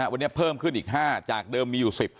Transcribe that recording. วันนี้เพิ่มขึ้นอีก๕จากเดิมมีอยู่๑๐